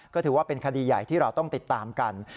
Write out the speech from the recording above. ก็ถือว่าเป็นคดีใหญ่ที่เราต้องติดตามกัน